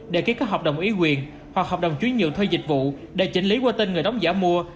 để ký các hợp đồng ý quyền hoặc hợp đồng chuyển nhiều thuê dịch vụ để chỉnh lý qua tên người đóng giả mua